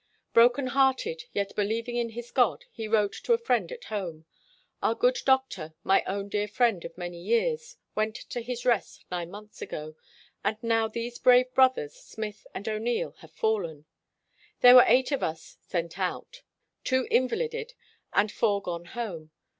Broken hearted, yet believing in his God, he wrote to a friend at home :'' Our good doctor, my own dear friend of many years, went to his rest nine months ago, and now these brave brothers, Smith and O 'Neill, have fallen. There were eight of us sent out — two invalided and four gone home!